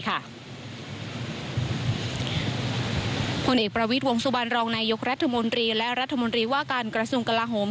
ผลเอกประวิทย์วงสุวรรณรองนายกรัฐมนตรีและรัฐมนตรีว่าการกระทรวงกลาโหม